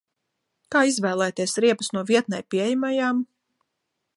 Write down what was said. Kā izvēlēties riepas no vietnē pieejamajām?